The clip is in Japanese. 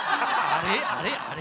あれ？